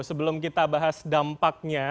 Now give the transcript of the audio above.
sebelum kita bahas dampaknya